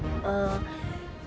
ngapain kamu ke kamarnya bella